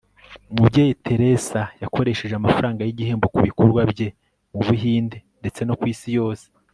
umubyeyi teresa yakoresheje amafaranga yigihembo kubikorwa bye mubuhinde ndetse no kwisi yose